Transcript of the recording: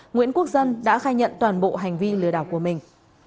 nguyễn quốc dân đã khai nhận toàn bộ hành vi lừa đảo của mình